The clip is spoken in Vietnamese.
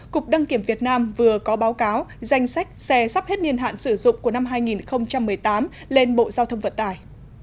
cục đăng kiểm việt nam vừa có báo cáo danh sách xe sắp hết niên hạn sử dụng của năm hai nghìn một mươi tám lên bộ giao thông vận tải